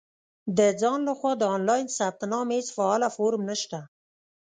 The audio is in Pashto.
• د ځان له خوا د آنلاین ثبت نام هېڅ فعاله فورم نشته.